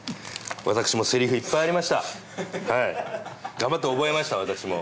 頑張って覚えました私も。